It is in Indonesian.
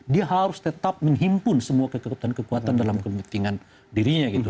dia harus tetap menghimpun semua kekuatan kekuatan dalam kepentingan dirinya gitu